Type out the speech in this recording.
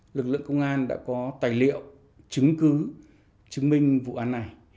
lực lượng công an đã có tài liệu chứng cứ chứng minh vụ án này